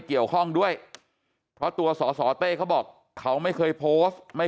เกี่ยวข้องด้วยเพราะตัวสอสอเต้เขาบอกเขาไม่เคยโพสต์ไม่